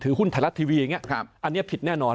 ถือหุ้นไทยรัฐทีวีเนี่ยอันนี้ผิดแน่นอน